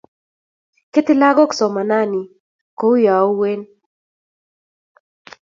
Ketei lagok somanani kouyo uen